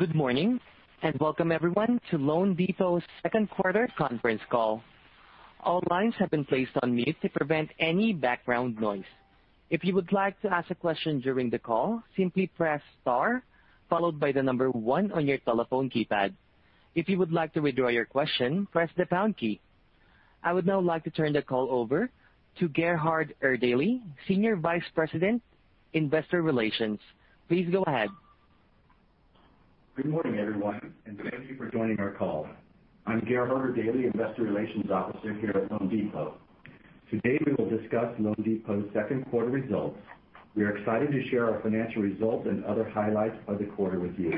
Good morning, and welcome everyone to loanDepot's second quarter conference call. All lines have been placed on mute to prevent any background noise. If you would like to ask a question during the call, simply press star, followed by number one on your telephone keypad. If you would like to withdraw your question, press the pound key. I would now like to turn the call over to Gerhard Erdelji, Senior Vice President, Investor Relations. Please go ahead. Good morning, everyone, and thank you for joining our call. I'm Gerhard Erdelji, Investor Relations Officer here at loanDepot. Today, we will discuss loanDepot's second quarter results. We are excited to share our financial results and other highlights of the quarter with you.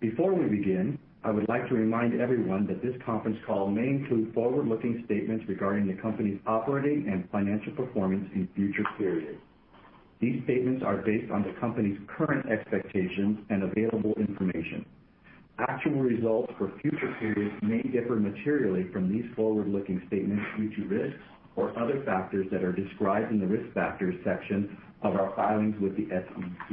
Before we begin, I would like to remind everyone that this conference call may include forward-looking statements regarding the company's operating and financial performance in future periods. These statements are based on the company's current expectations and available information. Actual results for future periods may differ materially from these forward-looking statements due to risks or other factors that are described in the Risk Factors section of our filings with the SEC.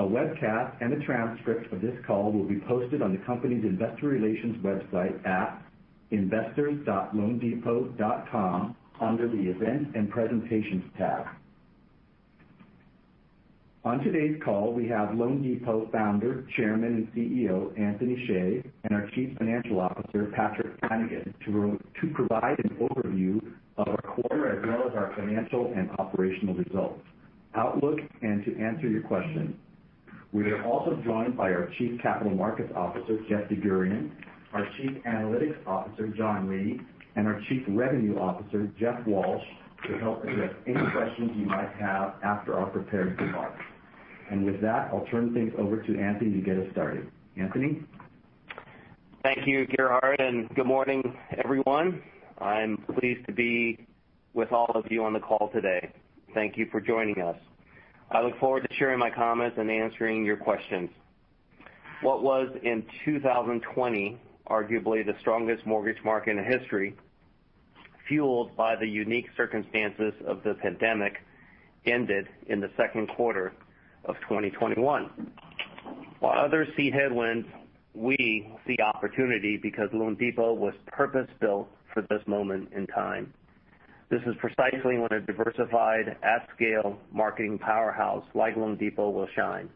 A webcast and a transcript of this call will be posted on the company's investor relations website at investor.loandepot.com under the Events and Presentations tab. On today's call, we have loanDepot Founder, Chairman, and CEO, Anthony Hsieh, and our Chief Financial Officer, Patrick Flanagan, to provide an overview of our quarter as well as our financial and operational results, outlook, and to answer your questions. We are also joined by our Chief Capital Markets Officer, Jeff DerGurahian, our Chief Analytics Officer, John Lee, and our Chief Revenue Officer, Jeff Walsh, to help address any questions you might have after our prepared remarks. With that, I'll turn things over to Anthony to get us started. Anthony? Thank you, Gerhard, and good morning, everyone. I'm pleased to be with all of you on the call today. Thank you for joining us. I look forward to sharing my comments and answering your questions. What was, in 2020, arguably the strongest mortgage market in history, fueled by the unique circumstances of the pandemic, ended in the second quarter of 2021. While others see headwinds, we see opportunity because loanDepot was purpose-built for this moment in time. This is precisely when a diversified, at scale, marketing powerhouse like loanDepot will shine.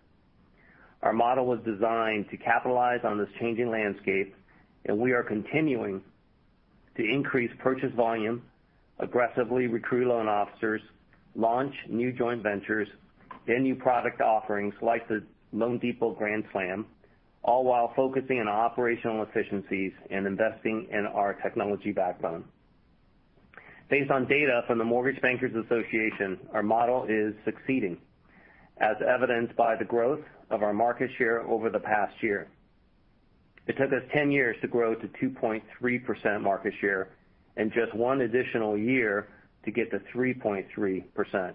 Our model was designed to capitalize on this changing landscape, and we are continuing to increase purchase volume, aggressively recruit loan officers, launch new joint ventures and new product offerings like the loanDepot Grand Slam, all while focusing on operational efficiencies and investing in our technology backbone. Based on data from the Mortgage Bankers Association, our model is succeeding, as evidenced by the growth of our market share over the past year. It took us 10 years to grow to 2.3% market share and just one additional year to get to 3.3%,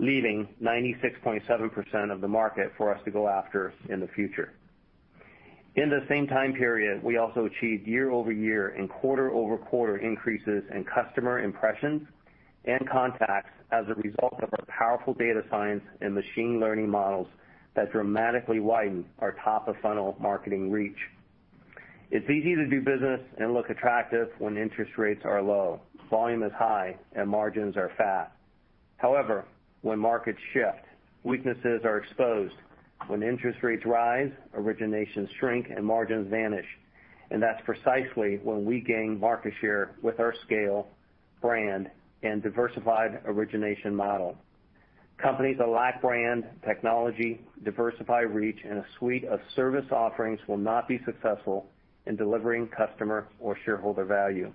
leaving 96.7% of the market for us to go after in the future. In the same time period, we also achieved year-over-year and quarter-over-quarter increases in customer impressions and contacts as a result of our powerful data science and machine learning models that dramatically widened our top-of-funnel marketing reach. It's easy to do business and look attractive when interest rates are low, volume is high, and margins are fat. However, when markets shift, weaknesses are exposed. When interest rates rise, originations shrink, and margins vanish. That's precisely when we gain market share with our scale, brand, and diversified origination model. Companies that lack brand, technology, diversified reach, and a suite of service offerings will not be successful in delivering customer or shareholder value.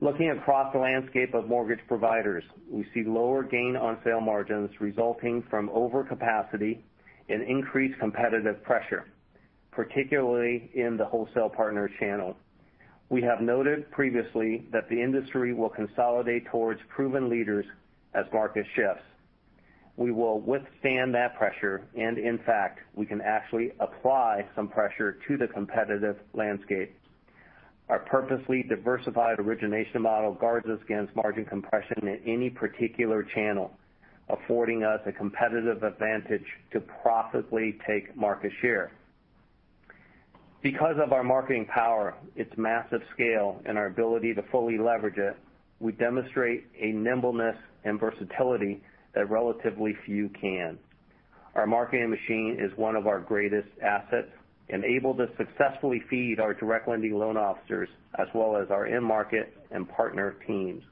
Looking across the landscape of mortgage providers, we see lower gain on sale margins resulting from overcapacity and increased competitive pressure, particularly in the wholesale partner channel. We have noted previously that the industry will consolidate towards proven leaders as market shifts. We will withstand that pressure, and in fact, we can actually apply some pressure to the competitive landscape. Our purposely diversified origination model guards us against margin compression in any particular channel, affording us a competitive advantage to profitably take market share. Because of our marketing power, its massive scale, and our ability to fully leverage it, we demonstrate a nimbleness and versatility that relatively few can. Our marketing machine is one of our greatest assets, enabled to successfully feed our direct lending loan officers as well as our in-market and partner teams.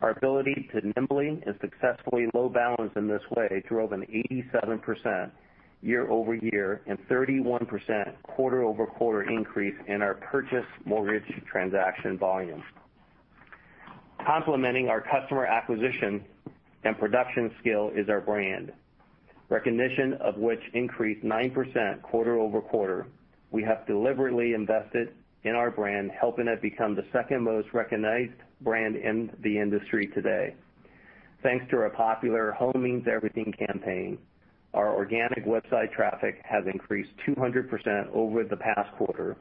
Our ability to nimbly and successfully load balance in this way drove an 87% year-over-year and 31% quarter-over-quarter increase in our purchase mortgage transaction volume. Complementing our customer acquisition and production skill is our brand, recognition of which increased 9% quarter-over-quarter. We have deliberately invested in our brand, helping it become the second most recognized brand in the industry today. Thanks to our popular Home Means Everything campaign, our organic website traffic has increased 200% over the past quarter.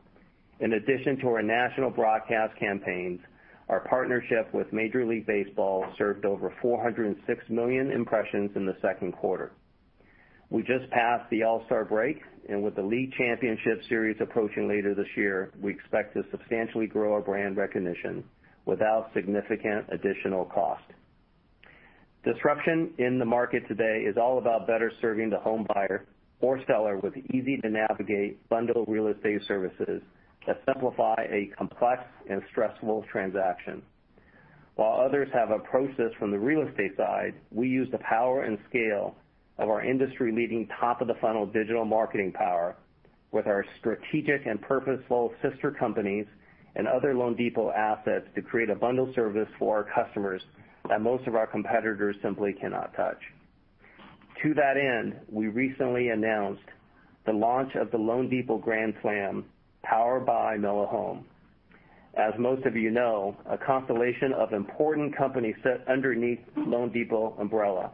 In addition to our national broadcast campaigns, our partnership with Major League Baseball served over 406 million impressions in the second quarter. We just passed the All-Star break, and with the League Championship Series approaching later this year, we expect to substantially grow our brand recognition without significant additional cost. Disruption in the market today is all about better serving the home buyer or seller with easy-to-navigate bundled real estate services that simplify a complex and stressful transaction. While others have approached this from the real estate side, we use the power and scale of our industry-leading top-of-the-funnel digital marketing power with our strategic and purposeful sister companies and other loanDepot assets to create a bundled service for our customers that most of our competitors simply cannot touch. To that end, we recently announced the launch of the loanDepot Grand Slam, powered by mellohome. As most of you know, a constellation of important companies sit underneath loanDepot umbrella.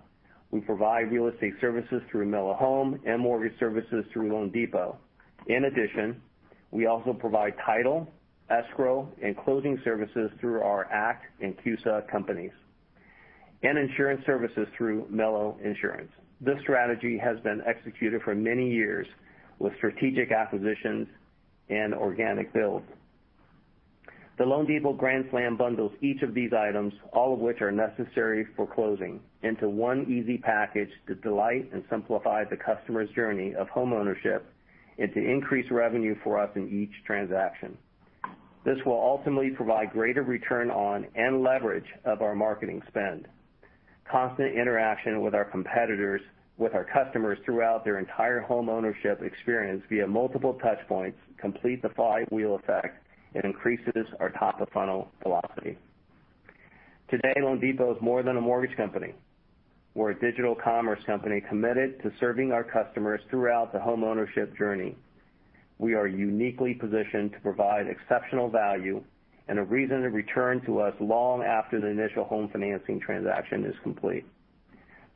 We provide real estate services through mellohome and mortgage services through loanDepot. In addition, we also provide title, escrow, and closing services through our ACT and CUSA companies, and insurance services through melloinsurance. This strategy has been executed for many years with strategic acquisitions and organic builds. The loanDepot Grand Slam bundles each of these items, all of which are necessary for closing, into one easy package to delight and simplify the customer's journey of homeownership and to increase revenue for us in each transaction. This will ultimately provide greater return on and leverage of our marketing spend. Constant interaction with our customers throughout their entire homeownership experience via multiple touch points complete the flywheel effect and increases our top-of-funnel velocity. Today, loanDepot is more than a mortgage company. We're a digital commerce company committed to serving our customers throughout the homeownership journey. We are uniquely positioned to provide exceptional value and a reason to return to us long after the initial home financing transaction is complete.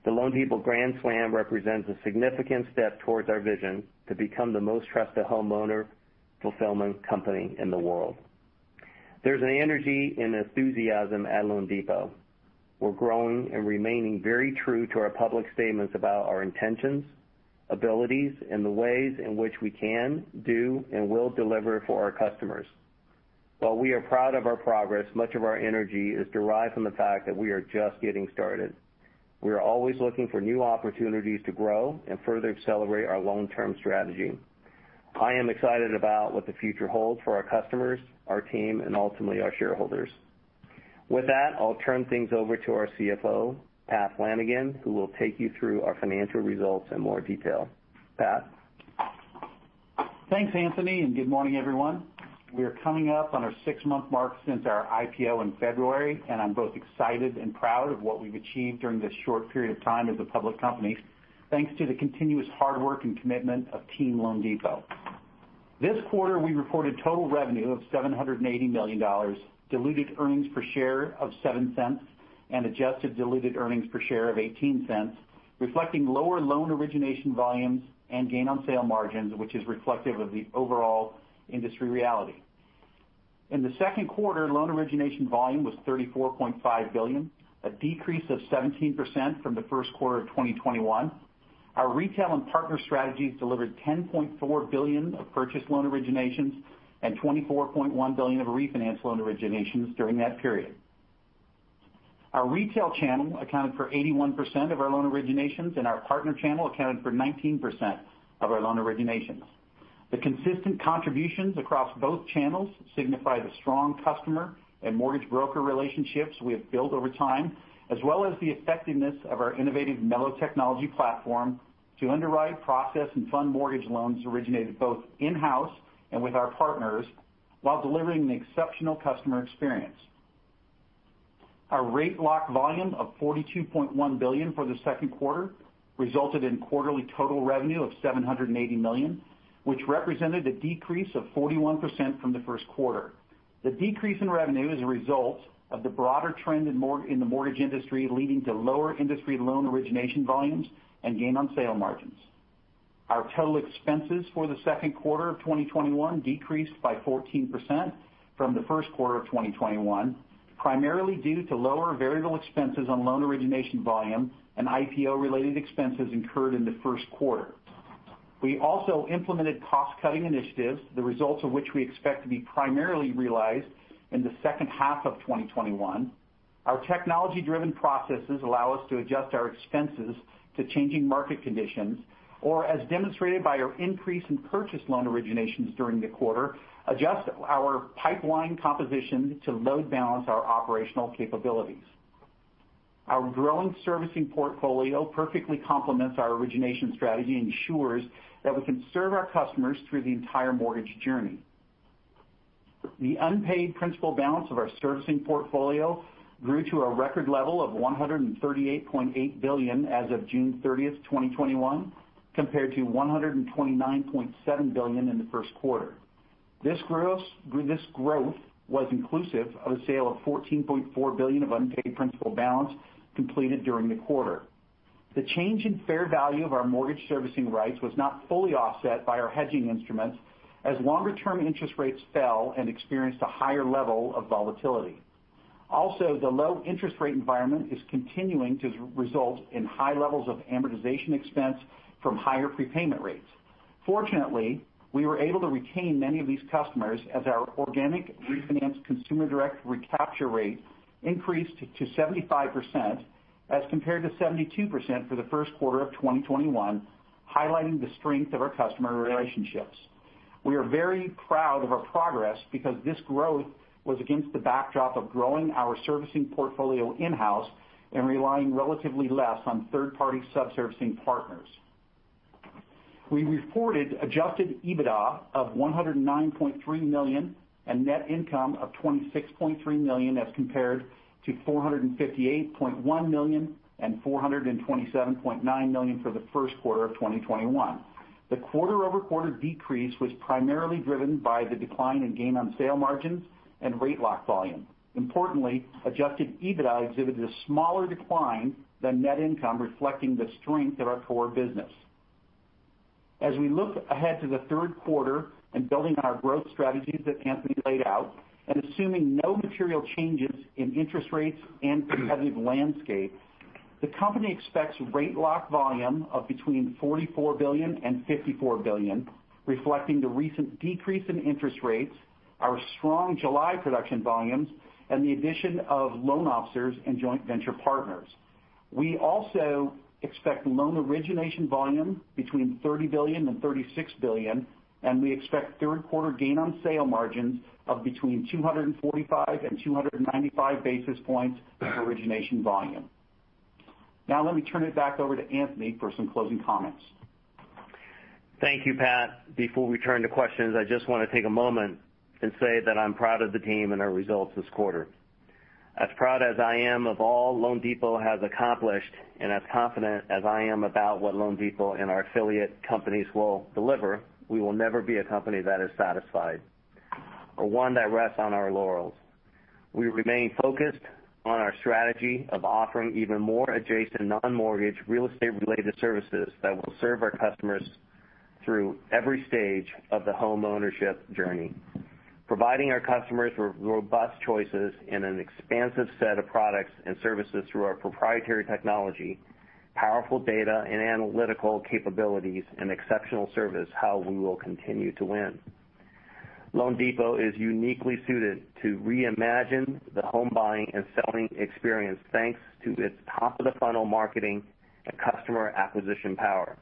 The loanDepot Grand Slam represents a significant step towards our vision to become the most trusted homeowner fulfillment company in the world. There's an energy and enthusiasm at loanDepot. We're growing and remaining very true to our public statements about our intentions, abilities, and the ways in which we can, do, and will deliver for our customers. While we are proud of our progress, much of our energy is derived from the fact that we are just getting started. We are always looking for new opportunities to grow and further accelerate our long-term strategy. I am excited about what the future holds for our customers, our team, and ultimately, our shareholders. With that, I'll turn things over to our CFO, Pat Flanagan, who will take you through our financial results in more detail. Pat? Thanks, Anthony. Good morning, everyone. We are coming up on our six-month mark since our IPO in February. I'm both excited and proud of what we've achieved during this short period of time as a public company, thanks to the continuous hard work and commitment of Team loanDepot. This quarter, we reported total revenue of $780 million, diluted earnings per share of $0.07, and adjusted diluted earnings per share of $0.18, reflecting lower loan origination volumes and gain on sale margins, which is reflective of the overall industry reality. In the second quarter, loan origination volume was $34.5 billion, a decrease of 17% from the first quarter of 2021. Our retail and partner strategies delivered $10.4 billion of purchase loan originations and $24.1 billion of refinance loan originations during that period. Our retail channel accounted for 81% of our loan originations, and our partner channel accounted for 19% of our loan originations. The consistent contributions across both channels signify the strong customer and mortgage broker relationships we have built over time, as well as the effectiveness of our innovative mello technology platform to underwrite, process, and fund mortgage loans originated both in-house and with our partners, while delivering an exceptional customer experience. Our rate lock volume of $42.1 billion for the second quarter resulted in quarterly total revenue of $780 million, which represented a decrease of 41% from the first quarter. The decrease in revenue is a result of the broader trend in the mortgage industry, leading to lower industry loan origination volumes and gain on sale margins. Our total expenses for the second quarter of 2021 decreased by 14% from the first quarter of 2021, primarily due to lower variable expenses on loan origination volume and IPO-related expenses incurred in the first quarter. We also implemented cost-cutting initiatives, the results of which we expect to be primarily realized in the second half of 2021. Our technology-driven processes allow us to adjust our expenses to changing market conditions, or, as demonstrated by our increase in purchase loan originations during the quarter, adjust our pipeline composition to load balance our operational capabilities. Our growing servicing portfolio perfectly complements our origination strategy and ensures that we can serve our customers through the entire mortgage journey. The unpaid principal balance of our servicing portfolio grew to a record level of $138.8 billion as of June 30th, 2021, compared to $129.7 billion in the first quarter. This growth was inclusive of a sale of $14.4 billion of unpaid principal balance completed during the quarter. The change in fair value of our mortgage servicing rights was not fully offset by our hedging instruments, as longer-term interest rates fell and experienced a higher level of volatility. Also, the low interest rate environment is continuing to result in high levels of amortization expense from higher prepayment rates. Fortunately, we were able to retain many of these customers as our organic refinance consumer direct recapture rate increased to 75%, as compared to 72% for the first quarter of 2021, highlighting the strength of our customer relationships. We are very proud of our progress because this growth was against the backdrop of growing our servicing portfolio in-house and relying relatively less on third-party sub-servicing partners. We reported adjusted EBITDA of $109.3 million and net income of $26.3 million as compared to $458.1 million and $427.9 million for the first quarter of 2021. The quarter-over-quarter decrease was primarily driven by the decline in gain on sale margins and rate lock volume. Importantly, adjusted EBITDA exhibited a smaller decline than net income, reflecting the strength of our core business. As we look ahead to the third quarter and building on our growth strategies that Anthony laid out, and assuming no material changes in interest rates and competitive landscape, the company expects rate lock volume of between $44 billion and $54 billion, reflecting the recent decrease in interest rates, our strong July production volumes, and the addition of loan officers and joint venture partners. We also expect loan origination volume between $30 billion and $36 billion, we expect third quarter gain on sale margins of between 245 and 295 basis points of origination volume. Now let me turn it back over to Anthony for some closing comments. Thank you, Pat. Before we turn to questions, I just want to take a moment and say that I'm proud of the team and our results this quarter. As proud as I am of all loanDepot has accomplished, and as confident as I am about what loanDepot and our affiliate companies will deliver, we will never be a company that is satisfied or one that rests on our laurels. We remain focused on our strategy of offering even more adjacent non-mortgage real estate related services that will serve our customers through every stage of the home ownership journey. Providing our customers with robust choices and an expansive set of products and services through our proprietary technology, powerful data and analytical capabilities, and exceptional service, how we will continue to win. loanDepot is uniquely suited to reimagine the home buying and selling experience, thanks to its top of the funnel marketing and customer acquisition power,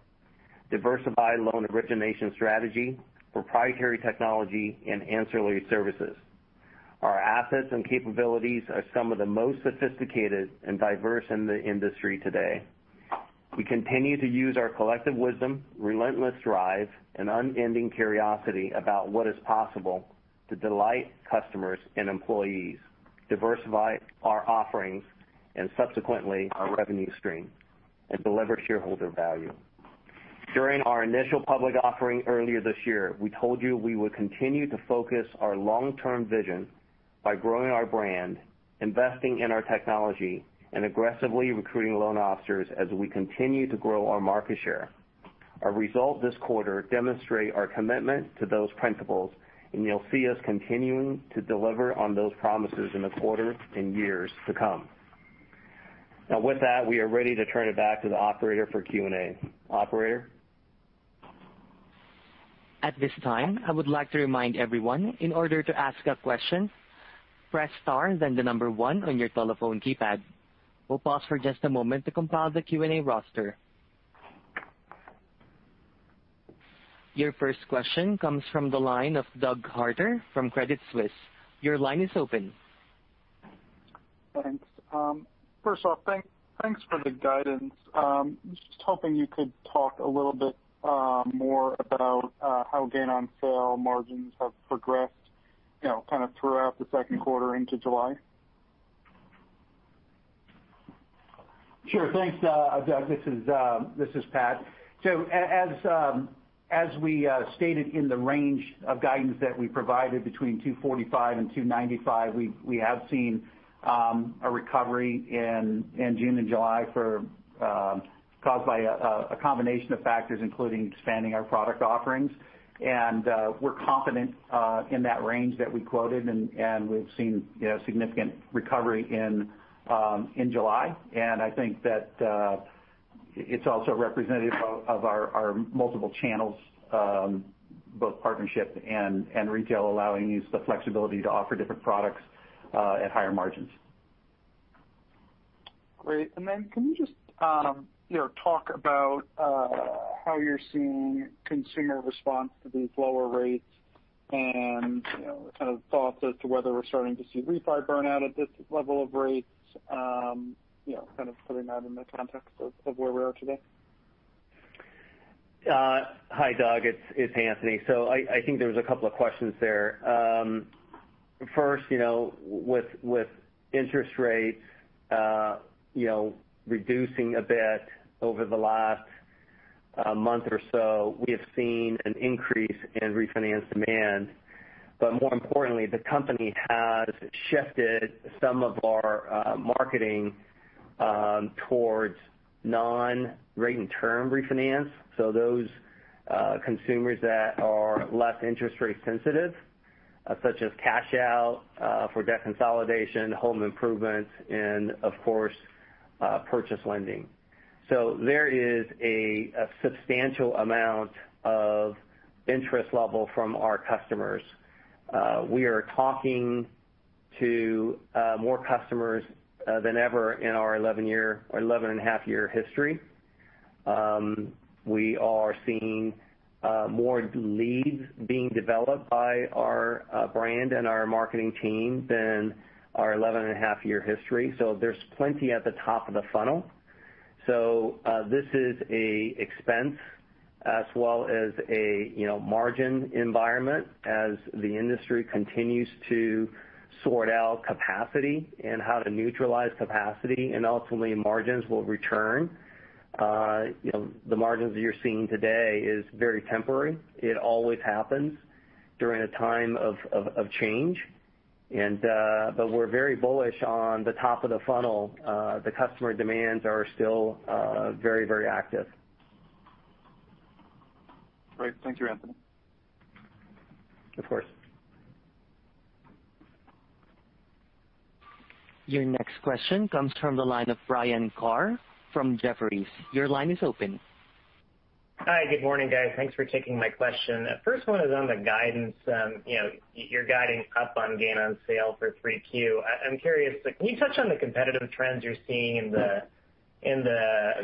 diversified loan origination strategy, proprietary technology, and ancillary services. Our assets and capabilities are some of the most sophisticated and diverse in the industry today. We continue to use our collective wisdom, relentless drive, and unending curiosity about what is possible to delight customers and employees, diversify our offerings, and subsequently our revenue stream, and deliver shareholder value. During our initial public offering earlier this year, we told you we would continue to focus our long-term vision by growing our brand, investing in our technology, and aggressively recruiting loan officers as we continue to grow our market share. Our results this quarter demonstrate our commitment to those principles. You'll see us continuing to deliver on those promises in the quarters and years to come. With that, we are ready to turn it back to the operator for Q&A. Operator? At this time I would like to remind everyone, in order to ask a question, press star and then the number one on your telephone keypad. We'll pause for just a moment to compile the Q&A roster. Your first question comes from the line of Doug Harter from Credit Suisse. Your line is open. Thanks. First off, thanks for the guidance. I'm just hoping you could talk a little bit more about how gain on sale margins have progressed kind of throughout the second quarter into July. Sure. Thanks, Doug. This is Pat. As we stated in the range of guidance that we provided between 245 and 295, we have seen a recovery in June and July caused by a combination of factors, including expanding our product offerings. We're confident in that range that we quoted, and we've seen significant recovery in July. I think that it's also representative of our multiple channels, both partnership and retail allowing us the flexibility to offer different products at higher margins. Great. Can you just talk about how you're seeing consumer response to these lower rates and kind of thoughts as to whether we're starting to see refi burnout at this level of rates, kind of putting that in the context of where we are today? Hi, Doug. It's Anthony. I think there was a couple of questions there. First, with interest rates reducing a bit over the last month or so, we have seen an increase in refinance demand. More importantly, the company has shifted some of our marketing towards non-rate and term refinance. Those consumers that are less interest rate sensitive, such as cash out for debt consolidation, home improvements, and of course, purchase lending. There is a substantial amount of interest level from our customers. We are talking to more customers than ever in our 11.5 year history. We are seeing more leads being developed by our brand and our marketing team than our 11.5 year history. There's plenty at the top of the funnel. This is an expense as well as a margin environment as the industry continues to sort out capacity and how to neutralize capacity, and ultimately margins will return. The margins that you're seeing today is very temporary. It always happens during a time of change. We're very bullish on the top of the funnel. The customer demands are still very active. Great. Thank you, Anthony. Of course. Your next question comes from the line of Ryan Carr from Jefferies. Your line is open. Hi. Good morning, guys. Thanks for taking my question. First one is on the guidance. You're guiding up on gain on sale for 3Q. I'm curious, can you touch on the competitive trends you're seeing in the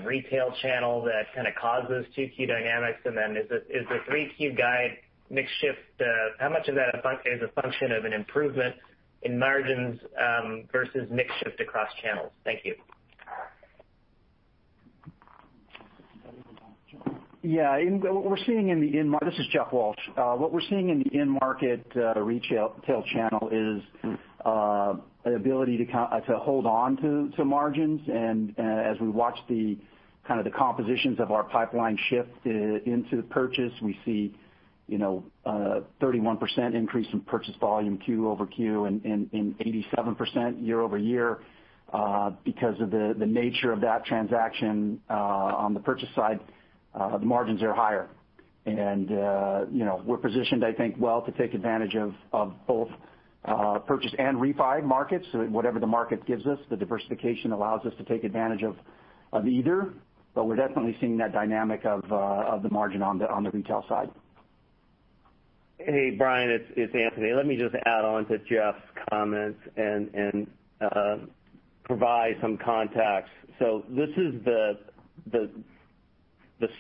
retail channel that kind of caused those 2Q dynamics? Is the 3Q guide mix shift, how much of that is a function of an improvement in margins versus mix shift across channels? Thank you. Yeah. This is Jeff Walsh. What we're seeing in the in-market retail channel is an ability to hold onto margins. As we watch kind of the compositions of our pipeline shift into purchase, we see 31% increase in purchase volume Q-over-Q and 87% year-over-year. Because of the nature of that transaction on the purchase side, the margins are higher. We're positioned, I think, well to take advantage of both purchase and refi markets. Whatever the market gives us, the diversification allows us to take advantage of either. We're definitely seeing that dynamic of the margin on the retail side. Hey, Ryan, it's Anthony. Let me just add on to Jeff's comments and provide some context. This is the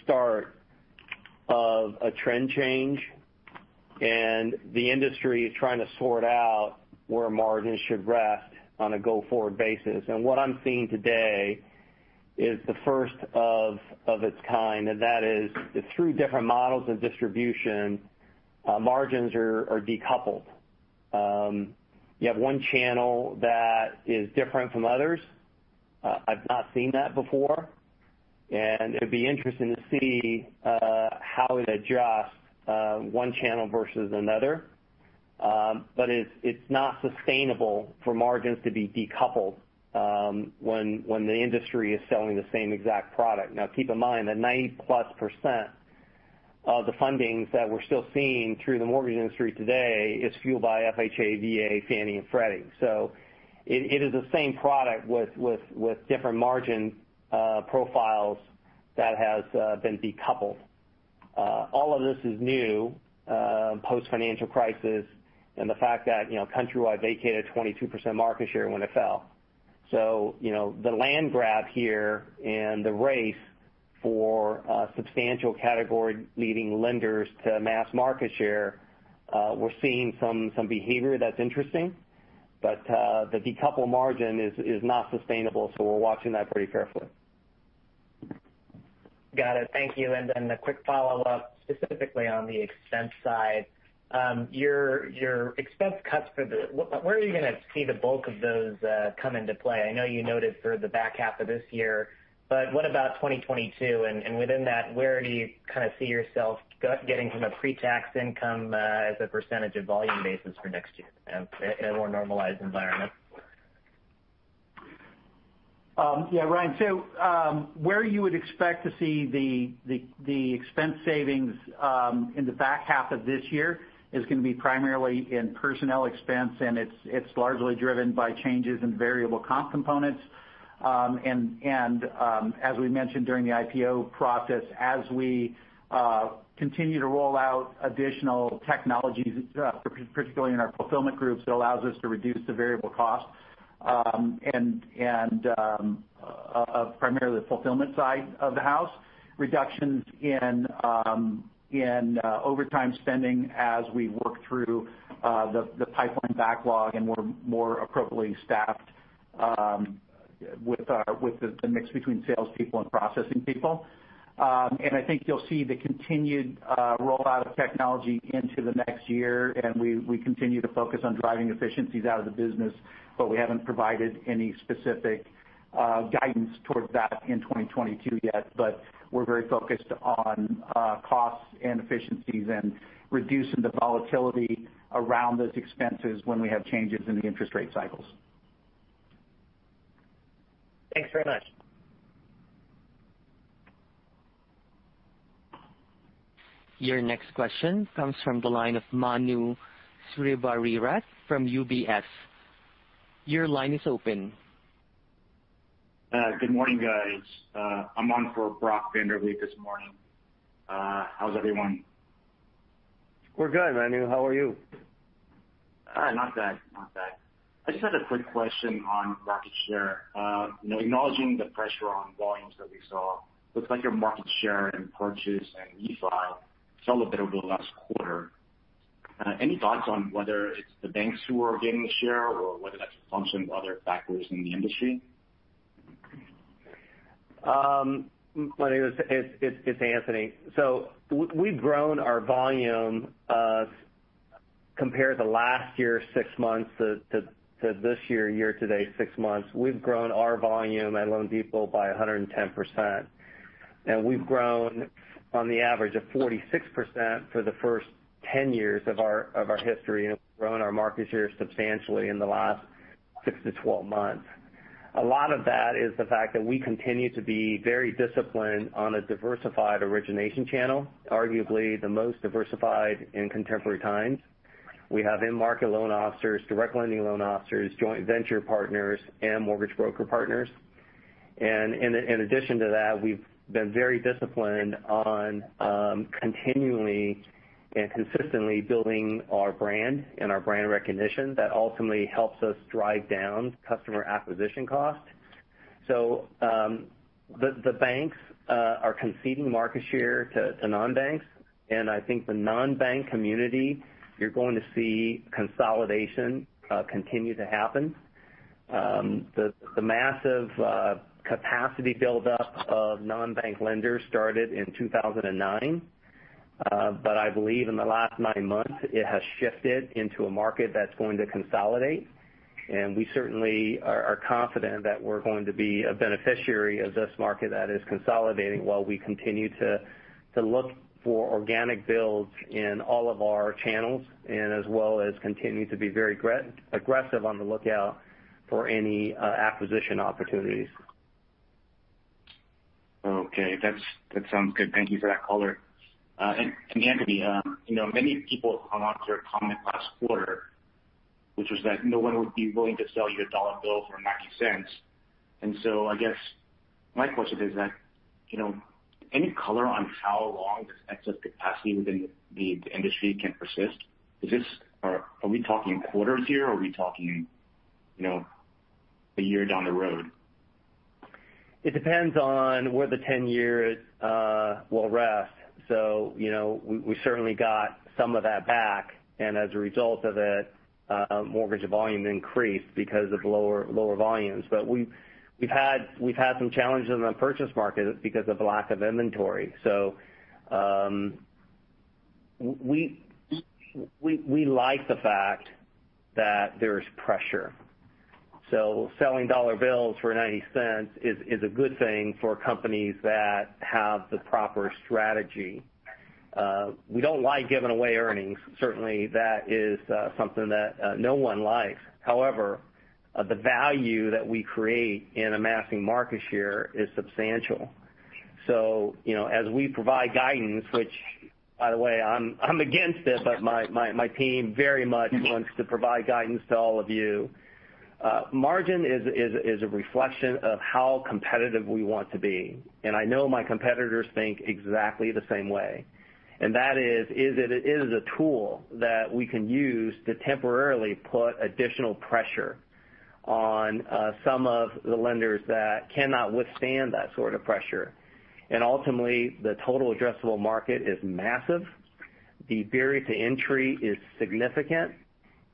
start of a trend change, and the industry is trying to sort out where margins should rest on a go-forward basis. What I'm seeing today is the first of its kind, and that is through different models of distribution, margins are decoupled. You have one channel that is different from others. I've not seen that before. It'll be interesting to see how it adjusts one channel versus another. It's not sustainable for margins to be decoupled when the industry is selling the same exact product. Now, keep in mind that 90%+ of the fundings that we're still seeing through the mortgage industry today is fueled by FHA, VA, Fannie, and Freddie. It is the same product with different margin profiles that has been decoupled. All of this is new, post-financial crisis, the fact that Countrywide vacated 22% market share when it fell. The land grab here and the race for substantial category-leading lenders to mass market share, we're seeing some behavior that's interesting. The decoupled margin is not sustainable, we're watching that pretty carefully. Got it. Thank you. A quick follow-up, specifically on the expense side. Your expense cuts, where are you going to see the bulk of those come into play? I know you noted for the back half of this year. What about 2022? Within that, where do you kind of see yourself getting from a pre-tax income as a percentage of volume basis for next year in a more normalized environment? Ryan. Where you would expect to see the expense savings in the back half of this year is going to be primarily in personnel expense, and it's largely driven by changes in variable comp components. As we mentioned during the IPO process, as we continue to roll out additional technologies, particularly in our fulfillment groups, it allows us to reduce the variable cost of primarily the fulfillment side of the house. Reductions in overtime spending as we work through the pipeline backlog and we're more appropriately staffed with the mix between salespeople and processing people. I think you'll see the continued rollout of technology into the next year, and we continue to focus on driving efficiencies out of the business. We haven't provided any specific. Guidance towards that in 2022 yet, but we're very focused on costs and efficiencies and reducing the volatility around those expenses when we have changes in the interest rate cycles. Thanks very much. Your next question comes from the line of Manu Srivareerat from UBS. Your line is open. Good morning, guys. I'm on for Brock Vandervliet this morning. How's everyone? We're good, Manu. How are you? Not bad. I just had a quick question on market share. Acknowledging the pressure on volumes that we saw, looks like your market share and purchase and refi fell a bit over the last quarter. Any thoughts on whether it's the banks who are gaining the share or whether that's a function of other factors in the industry? Manu, it's Anthony. We've grown our volume compared to last year, six months to this year to date, six months, we've grown our volume at loanDepot by 110%. We've grown on the average of 46% for the first 10 years of our history, and we've grown our market share substantially in the last six to 12 months. A lot of that is the fact that we continue to be very disciplined on a diversified origination channel, arguably the most diversified in contemporary times. We have in-market loan officers, direct lending loan officers, joint venture partners, and mortgage broker partners. In addition to that, we've been very disciplined on continually and consistently building our brand and our brand recognition. That ultimately helps us drive down customer acquisition costs. The banks are conceding market share to non-banks. I think the non-bank community, you're going to see consolidation continue to happen. The massive capacity buildup of non-bank lenders started in 2009. I believe in the last nine months, it has shifted into a market that's going to consolidate. We certainly are confident that we're going to be a beneficiary of this market that is consolidating while we continue to look for organic builds in all of our channels, and as well as continue to be very aggressive on the lookout for any acquisition opportunities. Okay. That sounds good. Thank you for that color. Anthony, many people hung onto your comment last quarter, which was that no one would be willing to sell you a dollar bill for $0.90. I guess my question is, any color on how long this excess capacity within the industry can persist? Are we talking quarters here, or are we talking a year down the road? It depends on where the 10-year will rest. We certainly got some of that back, and as a result of it, mortgage volume increased because of lower volumes. We've had some challenges in the purchase market because of lack of inventory. We like the fact that there's pressure. Selling dollar bills for $0.90 is a good thing for companies that have the proper strategy. We don't like giving away earnings. Certainly, that is something that no one likes. However, the value that we create in amassing market share is substantial. As we provide guidance, which by the way, I'm against it, but my team very much wants to provide guidance to all of you. Margin is a reflection of how competitive we want to be. I know my competitors think exactly the same way. That is, it is a tool that we can use to temporarily put additional pressure on some of the lenders that cannot withstand that sort of pressure. Ultimately, the total addressable market is massive. The barrier to entry is significant,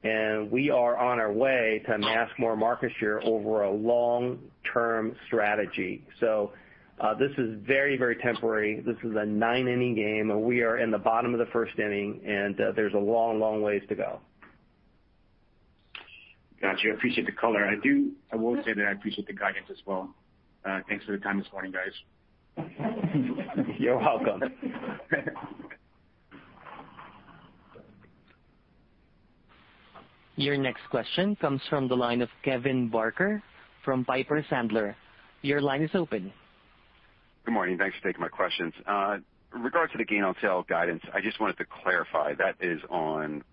and we are on our way to amass more market share over a long-term strategy. This is very temporary. This is a nine-inning game, and we are in the bottom of the first inning, and there's a long ways to go. Got you. I appreciate the color. I will say that I appreciate the guidance as well. Thanks for the time this morning, guys. You're welcome. Your next question comes from the line of Kevin Barker from Piper Sandler. Your line is open. Good morning. Thanks for taking my questions. In regard to the gain on sale guidance, I just wanted to clarify that is on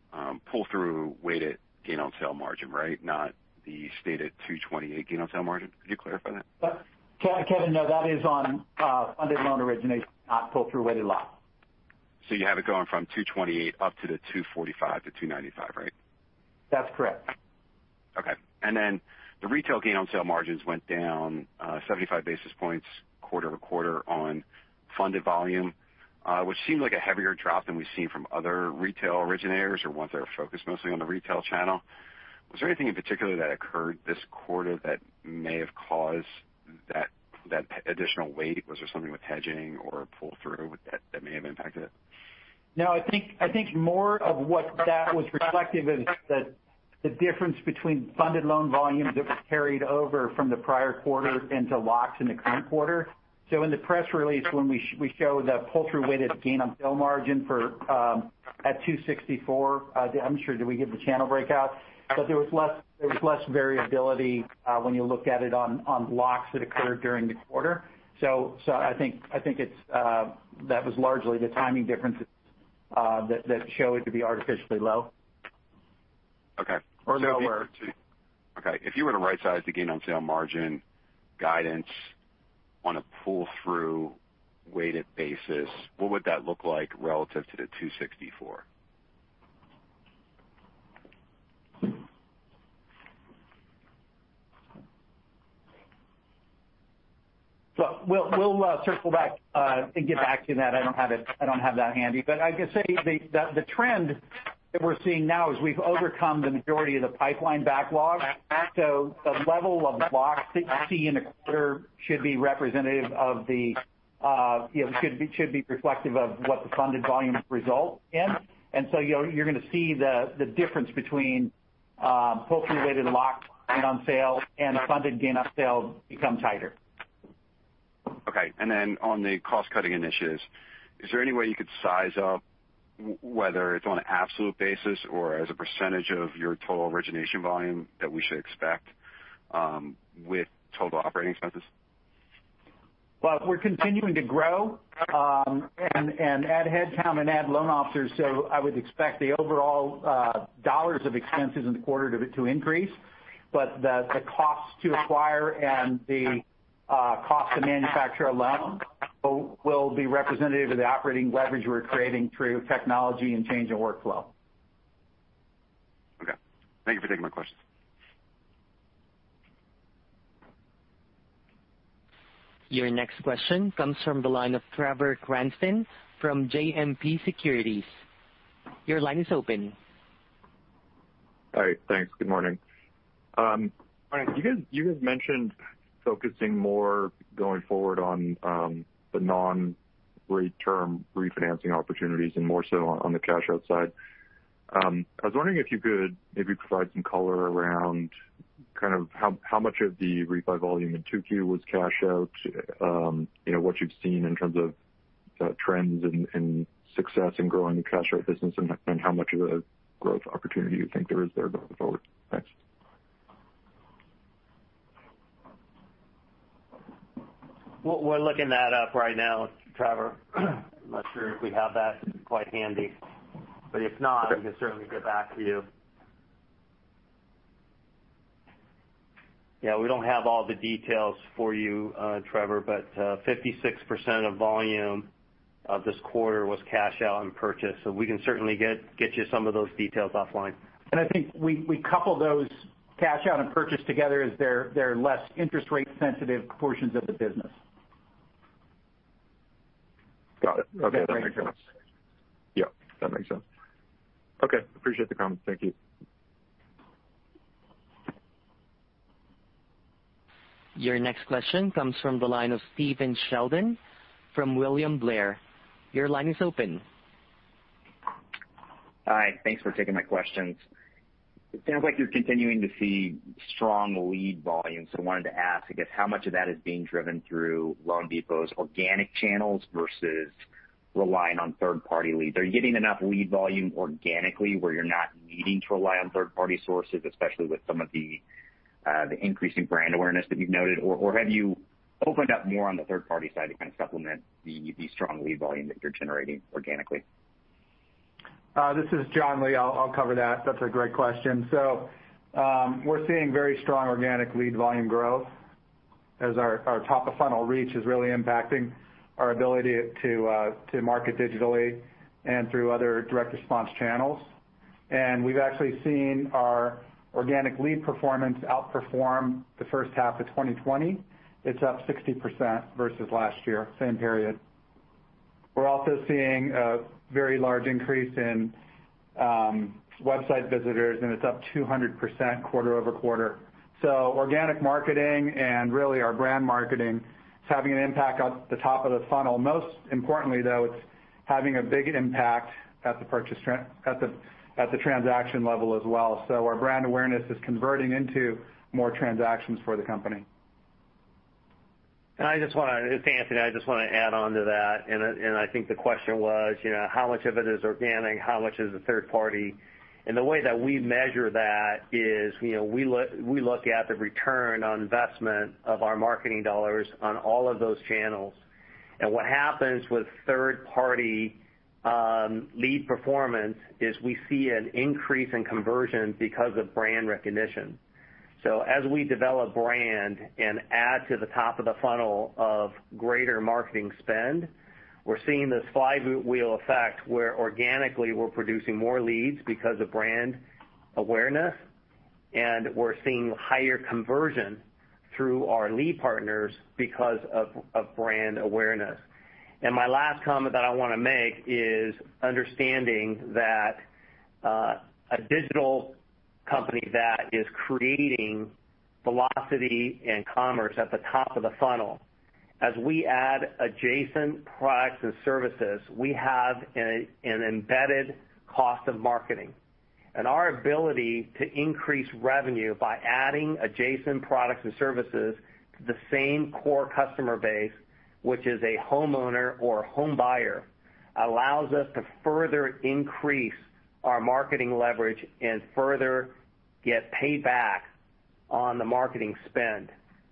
pull-through weighted gain on sale margin, right? Not the stated 228 gain on sale margin. Could you clarify that? Kevin, no, that is on funded loan origination, not pull-through weighted lock. You have it going from 228 up to the 245-295, right? That's correct. Okay. Then the retail gain on sale margins went down 75 basis points quarter-over-quarter on funded volume, which seemed like a heavier drop than we've seen from other retail originators or ones that are focused mostly on the retail channel. Was there anything in particular that occurred this quarter that may have caused that additional weight, was there something with hedging or pull-through that may have impacted it? I think more of what that was reflective of is the difference between funded loan volumes that was carried over from the prior quarter into locks in the current quarter. In the press release, when we show the pull-through weighted gain on sale margin at 264, I'm not sure, did we give the channel breakout? There was less variability when you look at it on locks that occurred during the quarter. I think that was largely the timing differences that show it to be artificially low. Okay. Nowhere. Okay. If you were to right-size the gain on sale margin guidance on a pull-through weighted basis, what would that look like relative to the 264? We'll circle back and get back to you on that. I don't have that handy. I can say the trend that we're seeing now is we've overcome the majority of the pipeline backlog. The level of locks that you see in a quarter should be reflective of what the funded volumes result in. You're going to see the difference between pull-through weighted lock gain on sale and funded gain on sale become tighter. Okay. Then on the cost-cutting initiatives, is there any way you could size up whether it's on an absolute basis or as a percentage of your total origination volume that we should expect with total operating expenses? Well, we're continuing to grow and add headcount and add loan officers. I would expect the overall dollars of expenses in the quarter to increase. The cost to acquire and the cost to manufacture a loan will be representative of the operating leverage we're creating through technology and change in workflow. Okay. Thank you for taking my questions. Your next question comes from the line of Trevor Cranston from JMP Securities. Your line is open. Hi, thanks. Good morning. You guys mentioned focusing more going forward on the non-rate term refinancing opportunities and more so on the cash out side. I was wondering if you could maybe provide some color around kind of how much of the refi volume in 2Q was cash out, what you've seen in terms of trends and success in growing the cash out business, and how much of a growth opportunity you think there is there going forward. Thanks. We're looking that up right now, Trevor. I'm not sure if we have that quite handy, but if not, we can certainly get back to you. We don't have all the details for you, Trevor, but 56% of volume of this quarter was cash out and purchase, so we can certainly get you some of those details offline. I think we couple those cash out and purchase together as they're less interest rate sensitive portions of the business. Got it. Okay. That makes sense. Yeah, that makes sense. Okay. Appreciate the comment. Thank you. Your next question comes from the line of Stephen Sheldon from William Blair. Your line is open. Hi. Thanks for taking my questions. It sounds like you're continuing to see strong lead volume. I wanted to ask, I guess, how much of that is being driven through loanDepot's organic channels versus relying on third-party leads? Are you getting enough lead volume organically where you're not needing to rely on third-party sources, especially with some of the increasing brand awareness that you've noted? Have you opened up more on the third-party side to kind of supplement the strong lead volume that you're generating organically? This is John Lee. I'll cover that. That's a great question. We're seeing very strong organic lead volume growth as our top-of-funnel reach is really impacting our ability to market digitally and through other direct response channels. We've actually seen our organic lead performance outperform the first half of 2020. It's up 60% versus last year, same period. We're also seeing a very large increase in website visitors, and it's up 200% quarter-over-quarter. Organic marketing and really our brand marketing is having an impact on the top of the funnel. Most importantly, though, it's having a big impact at the transaction level as well. Our brand awareness is converting into more transactions for the company. It's Anthony. I just want to add on to that, I think the question was, how much of it is organic, how much is a third party? The way that we measure that is we look at the return on investment of our marketing dollars on all of those channels. What happens with third-party lead performance is we see an increase in conversion because of brand recognition. As we develop brand and add to the top of the funnel of greater marketing spend, we're seeing this flywheel effect where organically we're producing more leads because of brand awareness, and we're seeing higher conversion through our lead partners because of brand awareness. My last comment that I want to make is understanding that a digital company that is creating velocity and commerce at the top of the funnel. As we add adjacent products and services, we have an embedded cost of marketing. Our ability to increase revenue by adding adjacent products and services to the same core customer base, which is a homeowner or a homebuyer, allows us to further increase our marketing leverage and further get payback on the marketing spend.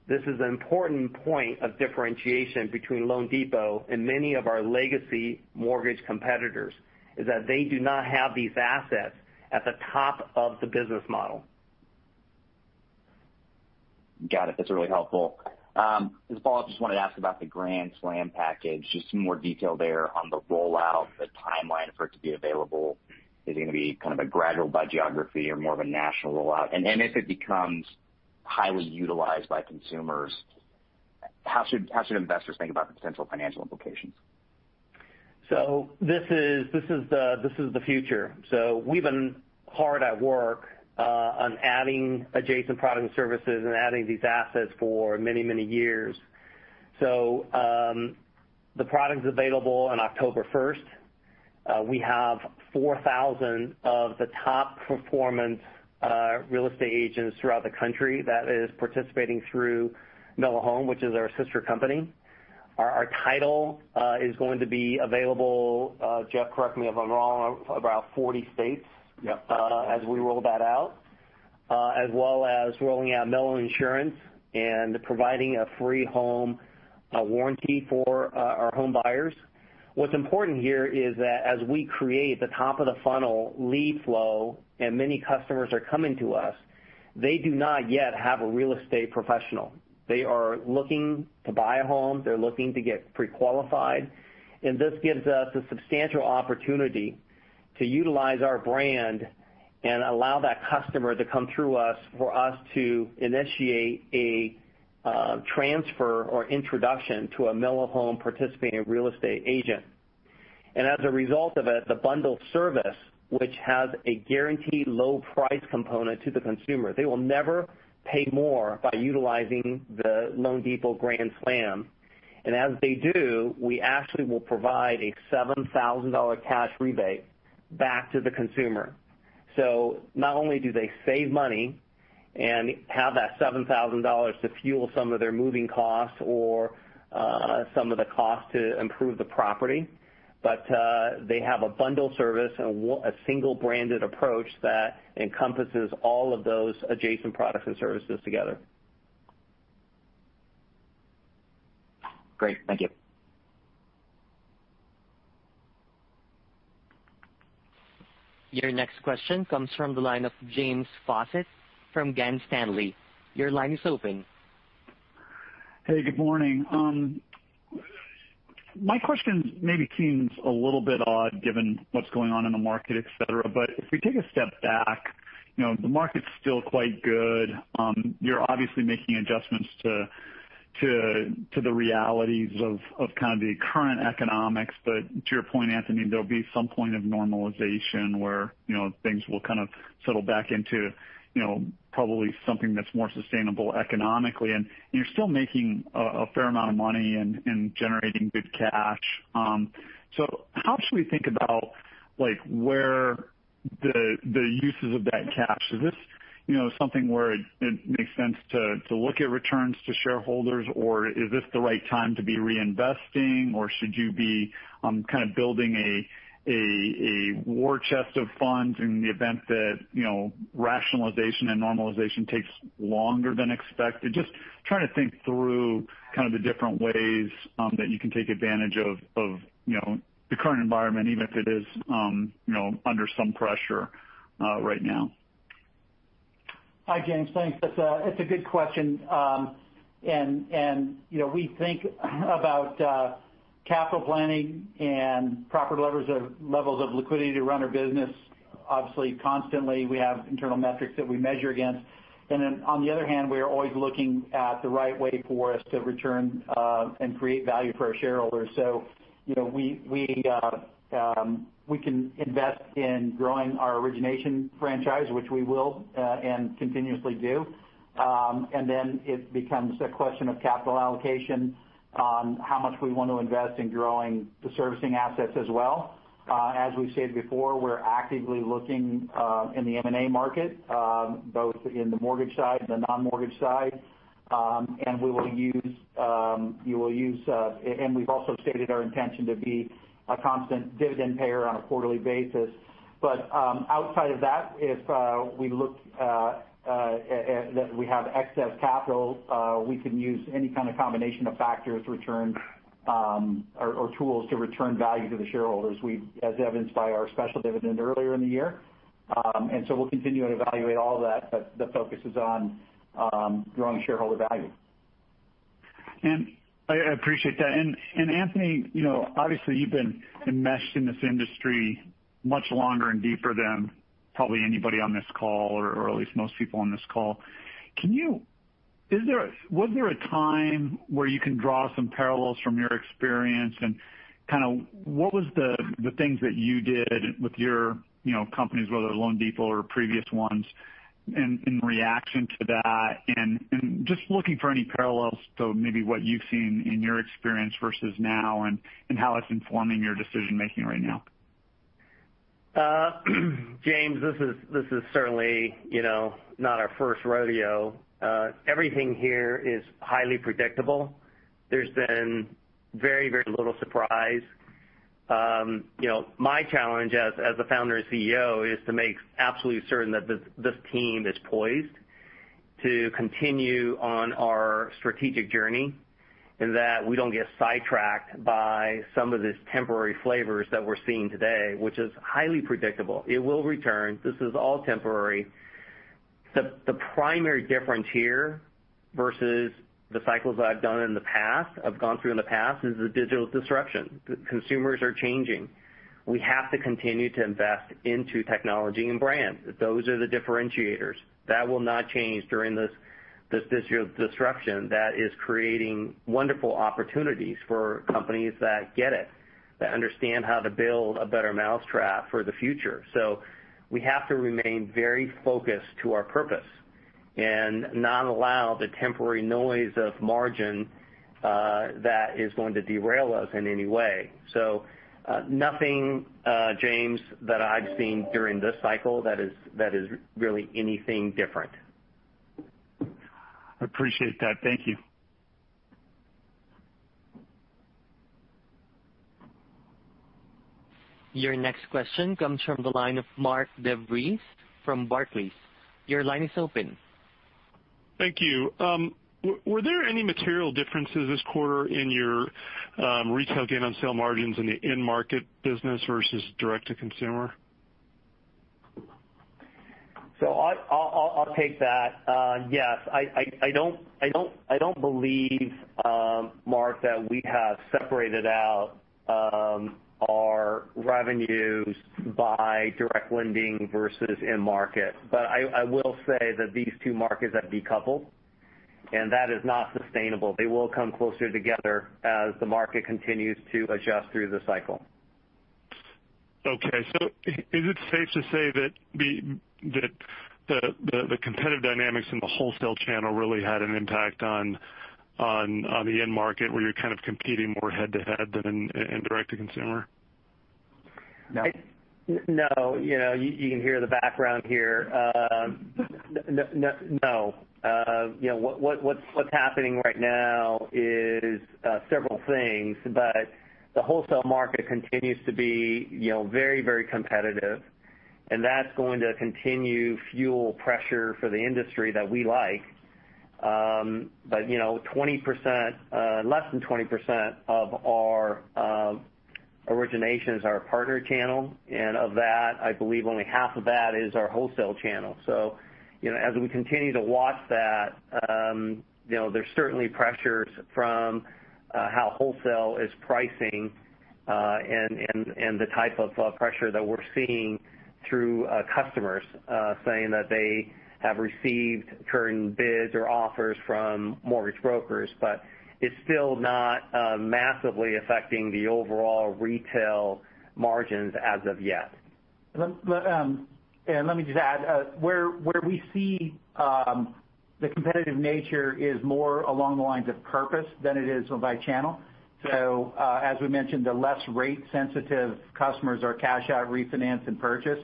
This is an important point of differentiation between loanDepot and many of our legacy mortgage competitors, is that they do not have these assets at the top of the business model. Got it. That's really helpful. To follow up, just wanted to ask about the Grand Slam package, just some more detail there on the rollout, the timeline for it to be available. Is it going to be kind of a gradual by geography or more of a national rollout? If it becomes highly utilized by consumers, how should investors think about the potential financial implications? This is the future. We've been hard at work on adding adjacent products and services and adding these assets for many, many years. The product's available on October 1st. We have 4,000 of the top performance real estate agents throughout the country that is participating through mellohome, which is our sister company. Our title is going to be available, Jeff, correct me if I'm wrong, about 40 states. Yep. As we roll that out. As well as rolling out melloinsurance and providing a free home warranty for our home buyers. What's important here is that as we create the top of the funnel lead flow and many customers are coming to us, they do not yet have a real estate professional. They are looking to buy a home. They're looking to get pre-qualified. This gives us a substantial opportunity to utilize our brand and allow that customer to come through us for us to initiate a transfer or introduction to a mellohome participating real estate agent. As a result of it, the bundled service, which has a guaranteed low price component to the consumer. They will never pay more by utilizing the loanDepot Grand Slam. As they do, we actually will provide a $7,000 cash rebate back to the consumer. Not only do they save money and have that $7,000 to fuel some of their moving costs or some of the cost to improve the property, but they have a bundled service and a single branded approach that encompasses all of those adjacent products and services together. Great. Thank you. Your next question comes from the line of James Faucette from Morgan Stanley. Your line is open. Hey, good morning. My question maybe seems a little bit odd given what's going on in the market, et cetera. If we take a step back, the market's still quite good. You're obviously making adjustments to the realities of kind of the current economics. To your point, Anthony, there'll be some point of normalization where things will kind of settle back into probably something that's more sustainable economically, and you're still making a fair amount of money and generating good cash. How should we think about where the uses of that cash? Is this something where it makes sense to look at returns to shareholders, or is this the right time to be reinvesting, or should you be kind of building a war chest of funds in the event that rationalization and normalization takes longer than expected? Just trying to think through kind of the different ways that you can take advantage of the current environment, even if it is under some pressure right now. Hi, James. Thanks. It's a good question. We think about capital planning and proper levels of liquidity to run our business. Obviously, constantly, we have internal metrics that we measure against. On the other hand, we are always looking at the right way for us to return and create value for our shareholders. We can invest in growing our origination franchise, which we will, and continuously do. It becomes a question of capital allocation on how much we want to invest in growing the servicing assets as well. As we've said before, we're actively looking in the M&A market, both in the mortgage side and the non-mortgage side. We've also stated our intention to be a constant dividend payer on a quarterly basis. Outside of that, if we look that we have excess capital, we can use any kind of combination of factors return or tools to return value to the shareholders as evidenced by our special dividend earlier in the year. We'll continue to evaluate all of that, but the focus is on growing shareholder value. I appreciate that. Anthony, obviously, you've been enmeshed in this industry much longer and deeper than probably anybody on this call, or at least most people on this call. Was there a time where you can draw some parallels from your experience, and what was the things that you did with your companies, whether loanDepot or previous ones, in reaction to that? Just looking for any parallels to maybe what you've seen in your experience versus now, and how it's informing your decision-making right now. James, this is certainly not our first rodeo. Everything here is highly predictable. There's been very, very little surprise. My challenge as the Founder and CEO is to make absolutely certain that this team is poised to continue on our strategic journey, and that we don't get sidetracked by some of these temporary flavors that we're seeing today, which is highly predictable. It will return. This is all temporary. The primary difference here versus the cycles that I've done in the past, I've gone through in the past, is the digital disruption. The consumers are changing. We have to continue to invest into technology and brand. Those are the differentiators. That will not change during this digital disruption that is creating wonderful opportunities for companies that get it, that understand how to build a better mousetrap for the future. We have to remain very focused to our purpose and not allow the temporary noise of margin that is going to derail us in any way. Nothing, James, that I've seen during this cycle that is really anything different. Appreciate that. Thank you. Your next question comes from the line of Mark DeVries from Barclays. Your line is open. Thank you. Were there any material differences this quarter in your retail gain on sale margins in the in-market business versus direct-to-consumer? I'll take that. Yes. I don't believe, Mark, that we have separated out our revenues by direct lending versus in-market. I will say that these two markets have decoupled, and that is not sustainable. They will come closer together as the market continues to adjust through the cycle. Okay. Is it safe to say that the competitive dynamics in the wholesale channel really had an impact on the in-market, where you're kind of competing more head-to-head than in direct-to-consumer? No. You can hear the background here. No. What's happening right now is several things. The wholesale market continues to be very competitive, and that's going to continue fuel pressure for the industry that we like. Less than 20% of our originations are our partner channel, and of that, I believe only half of that is our wholesale channel. As we continue to watch that, there's certainly pressures from how wholesale is pricing and the type of pressure that we're seeing through customers saying that they have received current bids or offers from mortgage brokers. It's still not massively affecting the overall retail margins as of yet. Let me just add, where we see the competitive nature is more along the lines of purpose than it is by channel. As we mentioned, the less rate-sensitive customers are cash out, refinance, and purchase.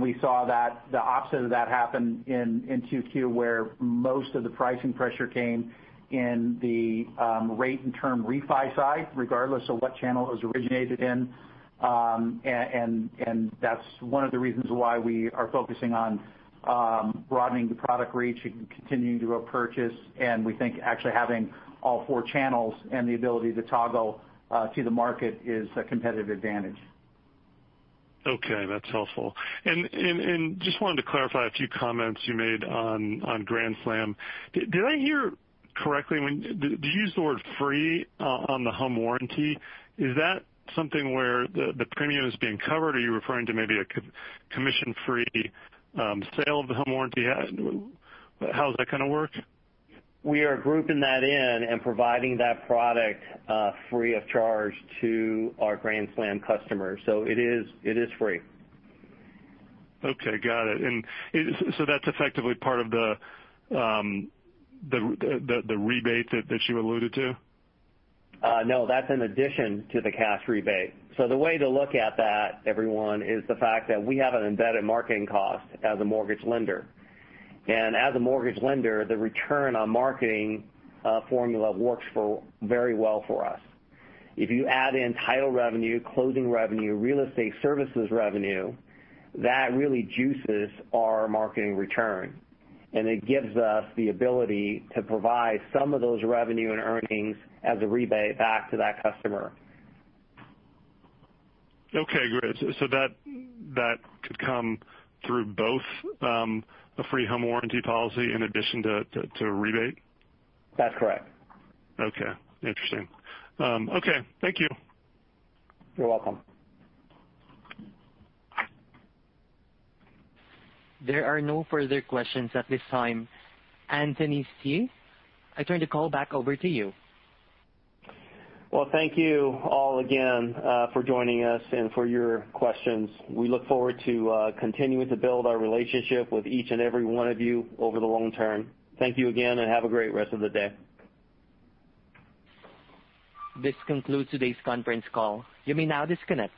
We saw that the opposite of that happened in Q2, where most of the pricing pressure came in the rate and term refi side, regardless of what channel it was originated in. That's one of the reasons why we are focusing on broadening the product reach and continuing to purchase. We think actually having all four channels and the ability to toggle to the market is a competitive advantage. Okay, that's helpful. Just wanted to clarify a few comments you made on Grand Slam. Did I hear correctly when you use the word free on the home warranty? Is that something where the premium is being covered, or are you referring to maybe a commission-free sale of the home warranty? How does that kind of work? We are grouping that in and providing that product free of charge to our Grand Slam customers. It is free. Okay, got it. That's effectively part of the rebate that you alluded to? No, that's in addition to the cash rebate. The way to look at that, everyone, is the fact that we have an embedded marketing cost as a mortgage lender. As a mortgage lender, the return on marketing formula works very well for us. If you add in title revenue, closing revenue, real estate services revenue, that really juices our marketing return, and it gives us the ability to provide some of those revenue and earnings as a rebate back to that customer. Okay, great. That could come through both the free home warranty policy in addition to a rebate? That's correct. Okay. Interesting. Okay. Thank you. You're welcome. There are no further questions at this time. Anthony, I turn the call back over to you. Well, thank you all again for joining us and for your questions. We look forward to continuing to build our relationship with each and every one of you over the long term. Thank you again, and have a great rest of the day. This concludes today's conference call. You may now disconnect.